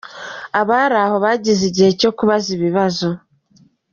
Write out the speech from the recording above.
Abari aho bagize igihe cyo kubaza ibibazo.